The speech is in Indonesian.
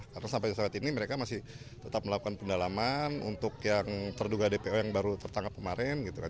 karena sampai saat ini mereka masih tetap melakukan pendalaman untuk yang terduga dpo yang baru tertangkap kemarin gitu kan